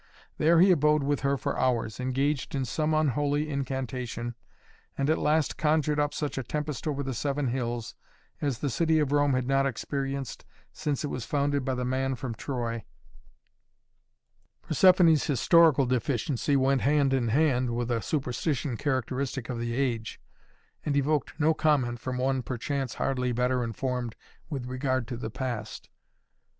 There he abode with her for hours, engaged in some unholy incantation and at last conjured up such a tempest over the Seven Hills, as the city of Rome had not experienced since it was founded by the man from Troy " Persephoné's historical deficiency went hand in hand with a superstition characteristic of the age, and evoked no comment from one perchance hardly better informed with regard to the past.